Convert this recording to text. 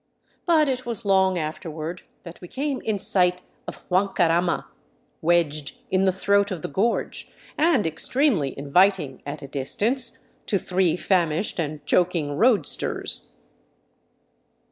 But it was long afterward that we came in sight of Huancarama, wedged in the throat of the gorge and extremely inviting, at a distance, to three famished and choking roadsters.